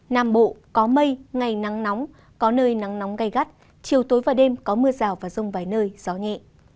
nam bộ có mây ngày nắng nóng có nơi nắng nóng gai gắt chiều tối và đêm có mưa rào và rông vài nơi gió nhẹ